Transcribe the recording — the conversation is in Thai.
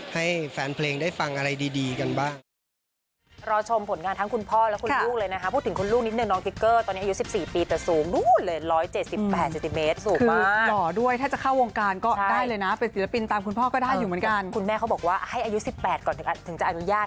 ให้แฟนเพลงได้ฟังอะไรดีกันบ้าง